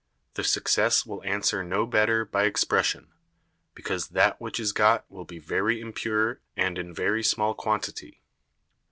The Success will answer no better by Expression, because that which is got will be very impure and in very small Quantity.